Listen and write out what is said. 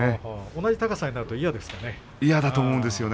同じ高さになると嫌なんですかね。